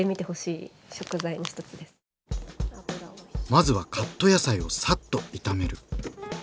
まずはカット野菜をさっと炒める。